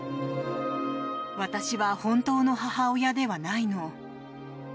私は本当の母親ではないの。